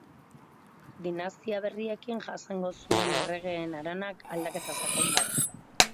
Dinastia berriekin jasango zuen Erregeen haranak aldaketa sakon bat.